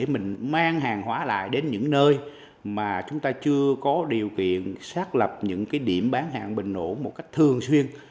mình mang hàng hóa lại đến những nơi mà chúng ta chưa có điều kiện xác lập những điểm bán hàng bình ổn một cách thường xuyên